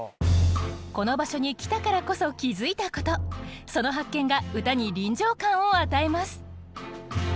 この場所に来たからこそ気付いたことその発見が歌に臨場感を与えます。